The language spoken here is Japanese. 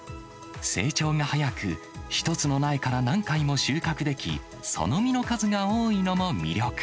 成長が早く、１つの苗から何回も収穫でき、その実の数が多いのも魅力。